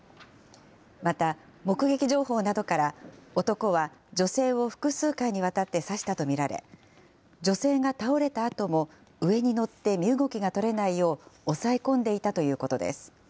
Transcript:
また目撃情報などから、男は女性を複数回にわたって刺したと見られ、女性が倒れたあとも、上に乗って身動きが取れないよう押さえ込んでいたということです。